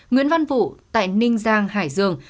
nguyễn văn vũ tại ninh giang hải dương